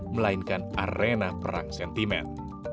melainkan arena perang sentimen